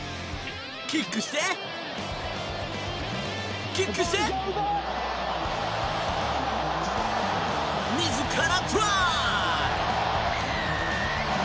キックしてキックしてみずからトライ！